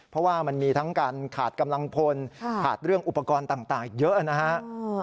เพราะว่ามันมีทั้งการขาดกำลังพลขาดเรื่องอุปกรณ์ต่างเยอะนะฮะ